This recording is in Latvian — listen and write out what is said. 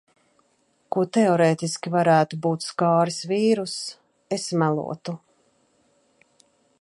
Ko teorētiski varētu būt skāris vīruss, es melotu.